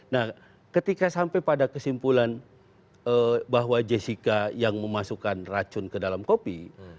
nah ketika sampai pada kesimpulan bahwa jessica yang memasukkan racun ke dalam kopi